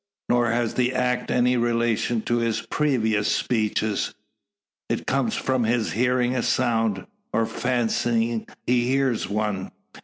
Nor has the act any relation to his previous speeches. It comes from his hearing a sound, or fancying he hears one.